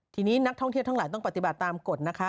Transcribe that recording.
ทีนี้นักท่องเที่ยวทั้งหลายต้องปฏิบัติตามกฎนะคะ